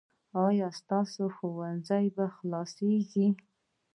ایا ستاسو ښوونځی به خلاصیږي؟